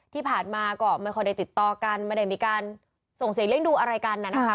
ที่ผ่านมาก็ไม่ค่อยได้ติดต่อกันไม่ได้มีการส่งเสียงเลี่ยงดูอะไรกันน่ะนะคะ